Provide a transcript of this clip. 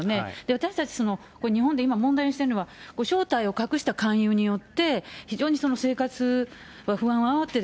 私たち、日本で今問題にしているのは、正体を隠した勧誘によって、非常に生活、不安をあおって、